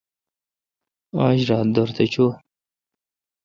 آج را دورتھ چوی۔